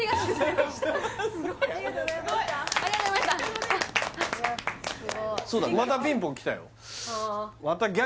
またピンポンきたよ